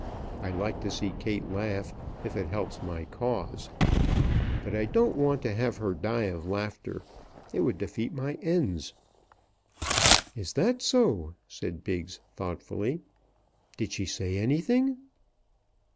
I like to see Kate laugh, if it helps my cause; but I don't want to have her die of laughter. It would defeat my ends." "That is so," said Biggs, thoughtfully. "Did she say anything?"